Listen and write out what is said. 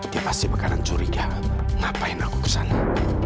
dia pasti bakalan curiga ngapain aku kesana